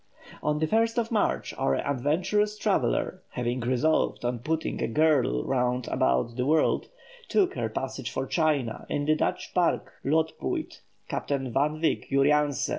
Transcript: On the 1st of March our adventurous traveller, having resolved on putting a girdle round about the world, took her passage for China in the Dutch barque Lootpuit, Captain Van Wyk Jurianse.